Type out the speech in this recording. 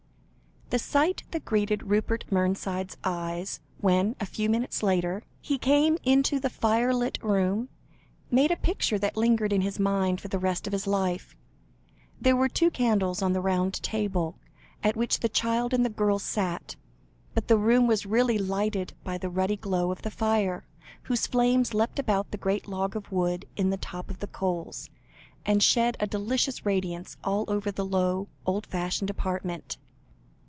The sight that greeted Rupert Mernside's eyes, when, a few minutes later, he came into the firelit room, made a picture that lingered in his mind for the rest of his life. There were two candles on the round table, at which the child and girl sat, but the room was really lighted by the ruddy glow of the fire, whose flames leapt about the great log of wood on the top of the coals, and shed a delicious radiance all over the low, old fashioned apartment.